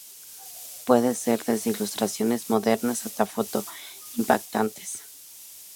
Puede ser desde ilustración moderna, hasta fotos impactantes.